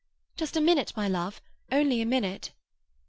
"Just a minute, my love! Only a minute."